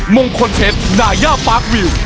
มงคลเพชรดายาปาร์ควิว